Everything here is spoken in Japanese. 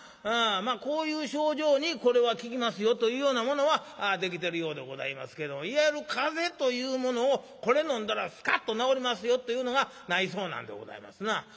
こういう症状にこれは効きますよというようなものはできてるようでございますけどもいわゆる風邪というものをこれ飲んだらスカッと治りますよっていうのがないそうなんでございますな。